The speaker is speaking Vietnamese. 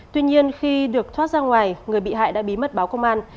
tuy nhiên khi được thoát ra ngoài người bị hại đã bí mật báo công an